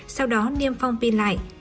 sau đó niêm phong pin lại